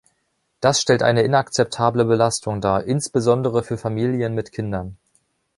Das stellt eine inakzeptable Belastung dar, insbesondere für Familien mit Kindern.